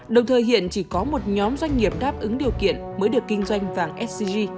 đồng thời hiện chỉ có một nhóm doanh nghiệp đáp ứng điều kiện mới được kinh doanh vàng sgc